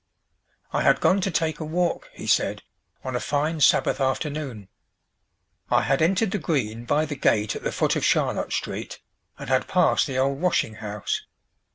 "I had gone to take a walk," he said, "on a fine Sabbath afternoon. I had entered the Green by the gate at the foot of Charlotte Street, and had passed the old washing house.